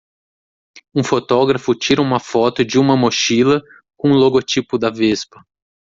Um fotógrafo tira uma foto de uma mochila com um logotipo da Vespa.